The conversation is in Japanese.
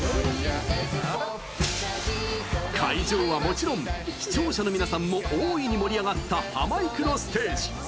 会場はもちろん視聴者の皆さんも大いに盛り上がったハマいくのステージ。